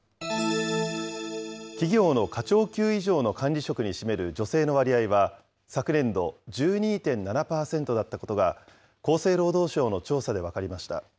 企業の課長級以上の管理職に占める女性の割合は、昨年度、１２．７％だったことが、厚生労働省の調査で分かりました。